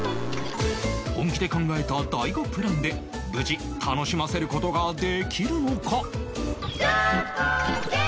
本気で考えた大悟プランで無事楽しませる事ができるのか？